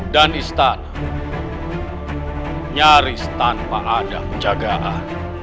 dan istana nyaris tanpa ada penjagaan